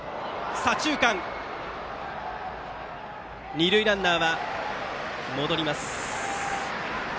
二塁ランナーは戻ります。